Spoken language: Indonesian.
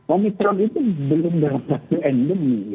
omnitron itu belum dalam fase pandemi